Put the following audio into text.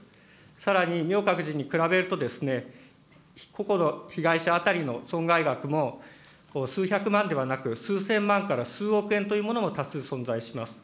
さらに、明覚寺に比べると、個々の被害者当たりの損害額も、数百万ではなく、数千万から数億円というものも多数存在します。